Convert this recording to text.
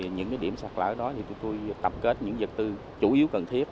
những điểm sạch lỡ đó thì chúng tôi tập kết những vật tư chủ yếu cần thiết